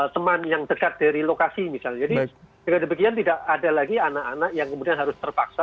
teman yang dekat dari lokasi misalnya jadi dengan demikian tidak ada lagi anak anak yang kemudian harus terpaksa